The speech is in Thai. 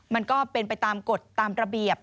มันก็เป็นไปตามกฎตามระเบียบ